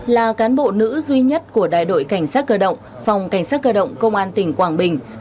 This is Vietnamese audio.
là cán bộ nữ duy nhất của đại đội cảnh sát cơ động phòng cảnh sát cơ động công an tỉnh quảng bình